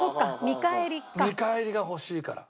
見返りが欲しいから。